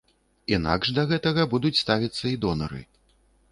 Інакш да гэтага будуць ставіцца і донары.